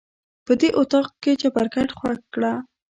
په دې اطاق کې چپرکټ خوښ کړه.